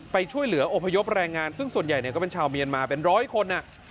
ไปช่วยเหลืออพยพแรงงานซึ่งส่วนใหญ่ก็เป็นชาวเมียนมาเป็นร้อยคน